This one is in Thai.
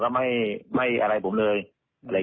เพราะว่าตอนแรกมีการพูดถึงนิติกรคือฝ่ายกฎหมาย